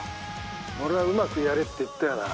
俺はうまくやれって言ったよな。